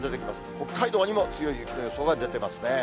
北海道にも強い雪の予想が出てますね。